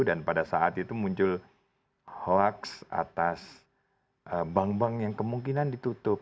dan pada saat itu muncul hoax atas bank bank yang kemungkinan ditutup